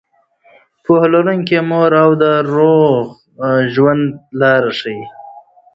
پوهه لرونکې مور د روغ ژوند لاره ښيي.